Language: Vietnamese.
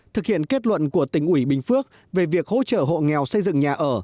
thực hiện kết luận của tỉnh ủy bình phước về việc hỗ trợ hộ nghèo xây dựng nhà ở